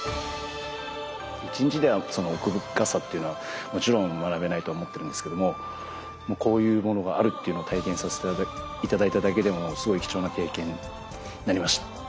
１日ではその奥深さというのはもちろん学べないとは思ってるんですけどもこういうものがあるっていうのを体験させて頂いただけでもすごい貴重な経験になりました。